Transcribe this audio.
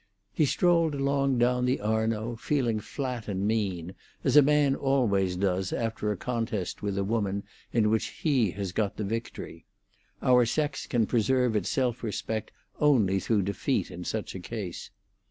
He strolled along down the Arno, feeling flat and mean, as a man always does after a contest with a woman in which he has got the victory; our sex can preserve its self respect only through defeat in such a case.